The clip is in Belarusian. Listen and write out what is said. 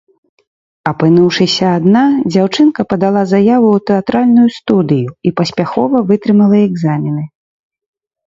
Апынуўшыся адна, дзяўчынка падала заяву ў тэатральную студыю і паспяхова вытрымала экзамены.